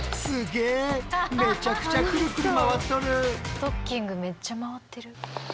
ストッキングめっちゃ回ってる。